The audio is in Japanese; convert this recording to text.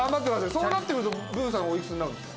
そうなってくるとブーさんお幾つになるんですか？